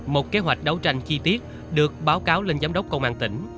một kế hoạch đấu tranh chi tiết được báo cáo lên giám đốc công an tỉnh